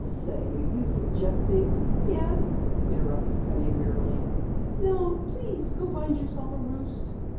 "Say, are you suggesting ?" "Yes," interrupted Penny wearily. "Now please go find yourself a roost!"